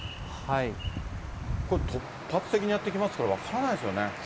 これ、突発的にやって来ますから、分からないですよね。